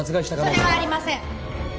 それはありません！